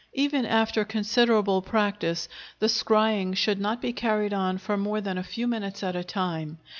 Even after considerable practice, the scrying should not be carried on for more than a few minutes at a time.